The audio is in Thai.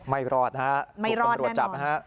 ไม่รอดนะครับทุกคนไม่รอดจับนะครับ